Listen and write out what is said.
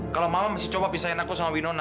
kalau mama mesti coba pisahin aku sama winona